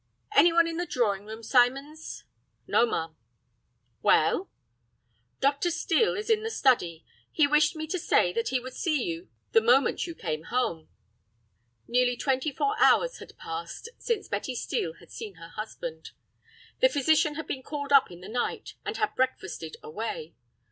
"Any one in the drawing room, Symons?" "No, ma'am." "Well?" "Dr. Steel is in the study. He wished me to say that he would see you the moment you came home." Nearly twenty four hours had passed since Betty Steel had seen her husband. The physician had been called up in the night, and had breakfasted away.